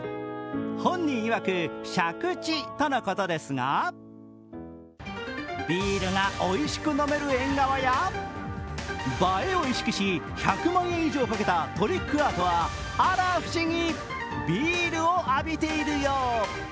本人いわく、借地とのことですがビールがおいしく飲める縁側や、映えを意識し１００万円以上をかけたトリックアートはあら不思議、ビールを浴びているよう。